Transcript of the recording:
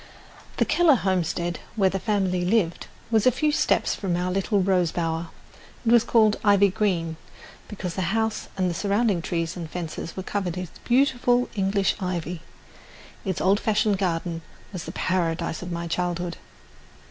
The Keller homestead, where the family lived, was a few steps from our little rose bower. It was called "Ivy Green" because the house and the surrounding trees and fences were covered with beautiful English ivy. Its old fashioned garden was the paradise of my childhood.